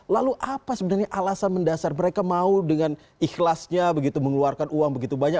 lalu apa sebenarnya alasan mendasar mereka mau dengan ikhlasnya begitu mengeluarkan uang begitu banyak